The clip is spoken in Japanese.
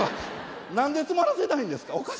何で詰まらせたいんですか？